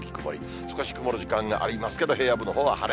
少し曇る時間がありますけど、平野部のほうは晴れ。